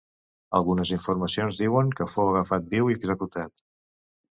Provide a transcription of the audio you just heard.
Algunes informacions diuen que fou agafat viu i executat.